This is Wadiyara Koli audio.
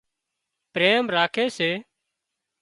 پريم راکي سي